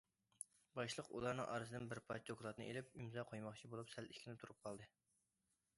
باشلىق ئۇلارنىڭ ئارىسىدىن بىر پارچە دوكلاتنى ئېلىپ ئىمزا قويماقچى بولۇپ سەل ئىككىلىنىپ تۇرۇپ قالدى.